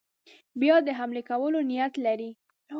بیا د حملې کولو نیت لري.